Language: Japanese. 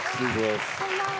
こんばんは。